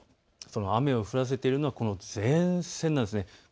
その雨を降らせているのは前線なんです。